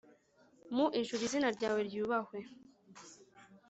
mu ijuru Izina ryawe ryubahwe